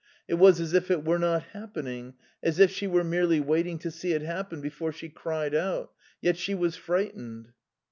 It was as if it were not happening; as if she were merely waiting to see it happen before she cried out. Yet she was frightened.